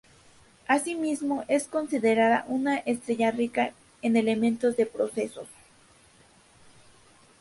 Asimismo, es considerada una estrella rica en elementos de proceso-s.